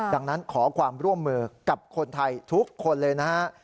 ดังนั้นขอความร่วมมือกับคนไทยทุกคนเลยนะฮะ